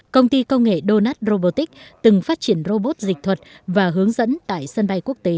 công ty công nghệ donut robotics từng phát triển robot dịch thuật và hướng dẫn tại sân bay quốc tế